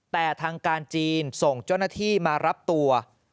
แต่ทางการจีนส่งเจ้าหน้าที่มารับตัว